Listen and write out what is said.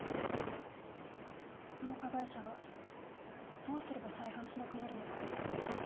この加害者がどうすれば再犯しなくなるのか。